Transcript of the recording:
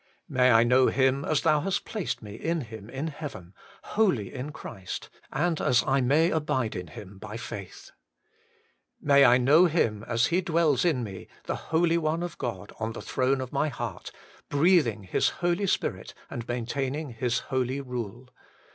May I know Him as Thou hast placed me in Him in heaven, holy in Christ, and as I may abide in Him by faith. May I know Him, as He dwells in me, the Holy One of God on the throne of my heart, breathing 132 HOLY IN CHKIST. His Holy Spirit and maintaining His holy rule.